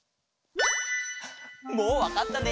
もうわかったね。